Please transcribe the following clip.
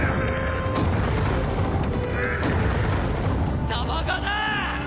貴様がなあ！